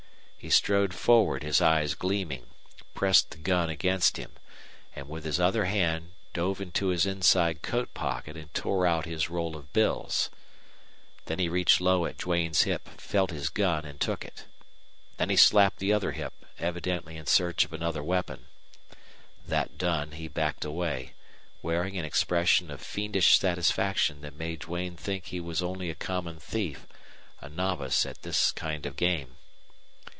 He strode forward, his eyes gleaming, pressed the gun against him, and with his other hand dove into his inside coat pocket and tore out his roll of bills. Then he reached low at Duane's hip, felt his gun, and took it. Then he slapped the other hip, evidently in search of another weapon. That done, he backed away, wearing an expression of fiendish satisfaction that made Duane think he was only a common thief, a novice at this kind of game.